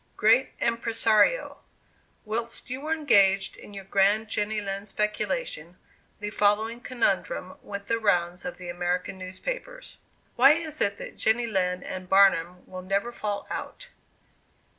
"Great Impressario: Whilst you were engaged in your grand Jenny Lind speculation, the following conundrum went the rounds of the American newspapers: "'Why is it that Jenny Lind and Barnum will never fall out?